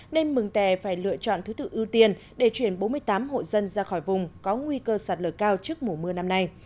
nên mừng tè phải lựa chọn thứ tự ưu tiên để chuyển bốn mươi tám hộ dân ra khỏi vùng có nguy cơ sạt lở cao trước mùa mưa năm nay